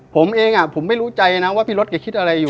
ผมเองผมไม่รู้ใจนะว่าพี่รถแกคิดอะไรอยู่